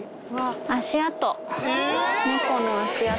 足跡。